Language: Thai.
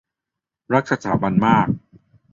- รักสถาบันมาก